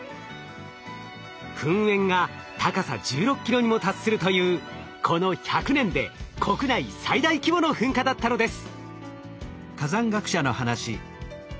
噴煙が高さ１６ｋｍにも達するというこの１００年で国内最大規模の噴火だったのです。